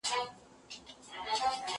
زه هره ورځ ږغ اورم!